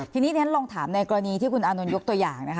ทีนี้ฉันลองถามในกรณีที่คุณอนุนยกตัวอย่าง